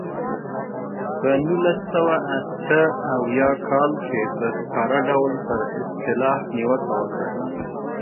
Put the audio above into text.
په نولس سوه اته اویا کال کې په ښکاره ډول پر اصطلاح نیوکه وکړه.